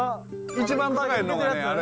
一番高いのがねあれ。